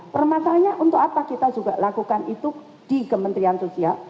permasalahannya untuk apa kita juga lakukan itu di kementerian sosial